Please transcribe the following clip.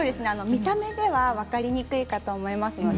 見た目では分かりにくいと思います。